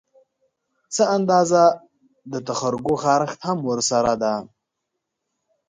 څه اندازه د تخرګو خارښت هم ورسره ده